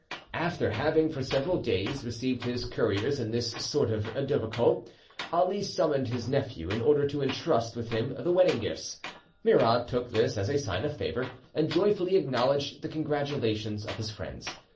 After having for several days received his couriers in this sort of dovecot, Ali summoned his nephew in order to entrust with him the wedding gifts. Murad took this as a sign of favour, and joyfully acknowledged the congratulations of his friends.